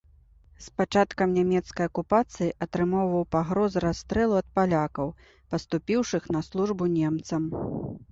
З пачаткам нямецкай акупацыі атрымоўваў пагрозы расстрэлу ад палякаў, паступіўшых на службу немцам.